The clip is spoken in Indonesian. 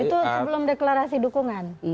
itu sebelum deklarasi dukungan